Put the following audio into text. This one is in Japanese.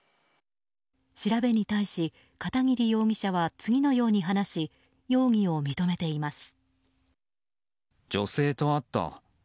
調べに対し、片桐容疑者は次のように話し容疑を認めています。